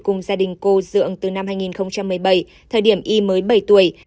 cùng gia đình cô dưỡng từ năm hai nghìn một mươi bảy thời điểm y mới bảy tuổi